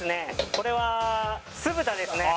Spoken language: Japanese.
これは酢豚ですね